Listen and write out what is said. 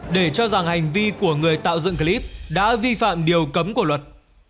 để cho rằng hành vi của người tạo dựng clip đã vi phạm điều cấm của luật